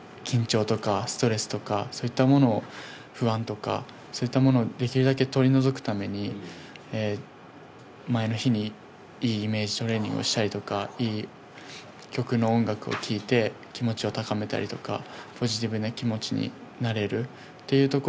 緊張とかストレスとかそういったものを、不安とか、そういったものをできるだけ取り除くために、前の日にいいイメージトレーニングをしたりだとかいい曲の音楽を聴いて気持ちを高めたりとか。